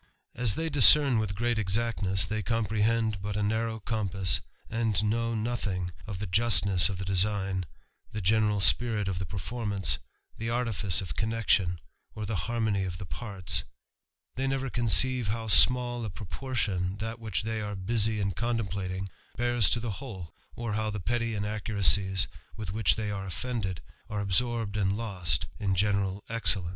As they discern with great exactness, they comprehend but a narrow compass, and know nothing of the justness of the design, the general spirit of the performance, the artifice >f connection, or the harmony of the parts ; they never :onceive how small a proportion that which they are busy in contemplating bears to the whole, or how the petty inaccuracies with which they are oflfended, are absorbed u)d lost in general excellence.